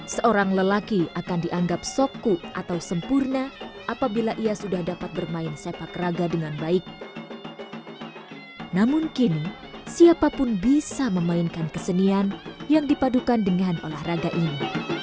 siapapun bisa memainkan kesenian yang dipadukan dengan olahraga ini